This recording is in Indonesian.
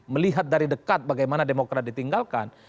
melihat dari dekat bagaimana demokrat ditinggalkan